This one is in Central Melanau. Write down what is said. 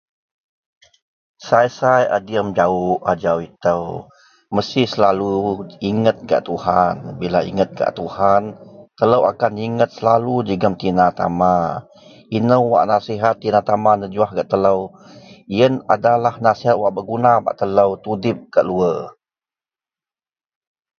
Sai-sai a diyem jawok ajau ito mesti selalu inget gak Tuhan, bila inget gak Tuhan, telo akan inget selalu jegum tina-tama, ino wak nasihat tina-tama nejuwah gak telo iyen adalah nasihat wak beguna gak telo bak tudip gak luwar.